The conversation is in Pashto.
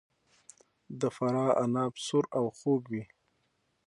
د فراه عناب سور او خوږ وي.